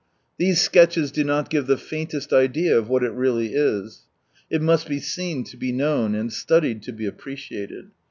These sketches do not give the faintest idea of what it really is. It must be seen, to be known, and studied to be appreciated.